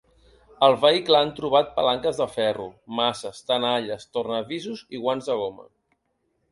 Al vehicle han trobat palanques de ferro, maces, tenalles, tornavisos i guants de goma.